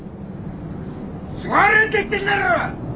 座れって言ってんだろ！